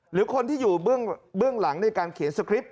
หรือคนที่อยู่เบื้องหลังในการเขียนสคริปต